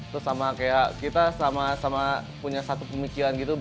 terus sama kayak kita sama sama punya satu pemikiran gitu